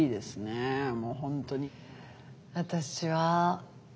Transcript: もう本当に。